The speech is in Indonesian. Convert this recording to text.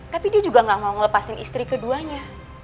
tapi dia juga gak mau ngelepasin istri keduanya